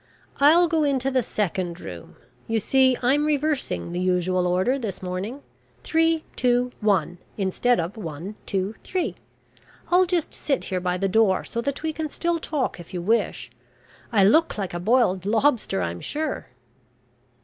I'll go into the second room. You see I'm reversing the usual order this morning. Three, two, one, instead of one, two, three. I'll sit just here by the door, so that we can still talk if you wish. I look like a boiled lobster, I'm sure."